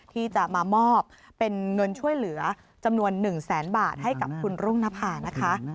ที่จะมามอบเป็นเงินช่วยเหลือจำนวน๑แสนบาทให้กับคุณรุ่งนภานะคะ